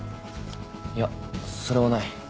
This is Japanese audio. いやそれはない。